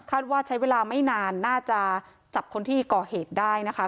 ว่าใช้เวลาไม่นานน่าจะจับคนที่ก่อเหตุได้นะคะ